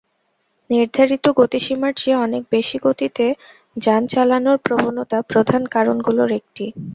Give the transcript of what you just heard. নির্ধারিত গতিসীমার চেয়ে অনেক বেশি গতিতে যান চালানোর প্রবণতা প্রধান কারণগুলোর একটি।